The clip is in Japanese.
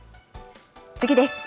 次です。